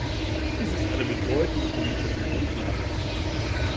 Dies ist eine bedeutende politische Grundlage.